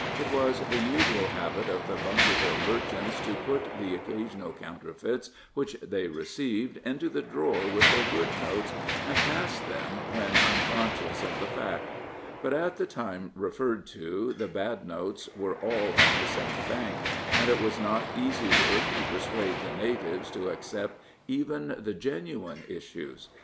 It was the usual habit of the Bunkerville merchants to put the occasional counterfeits which they received into the drawer with their good notes, and pass them when unconscious of the fact; but at the time referred to the bad notes were all on the same bank, and it was not easy work to persuade the natives to accept even the genuine issues.